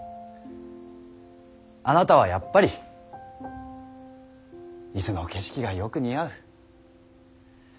あなたはやっぱり伊豆の景色がよく似合う。